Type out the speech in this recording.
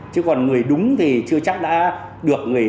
chứ còn người đúng thì chưa chắc đã được